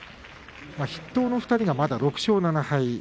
筆頭の２人がまだ６勝７敗。